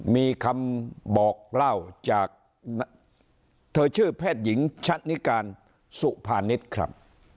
มีคำบอกเล่าโทยชื่อแพทย์หญิงชัตนิการสุพาณิตครับ